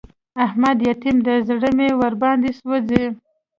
احمد يتيم دی؛ زړه مې ور باندې سوځي.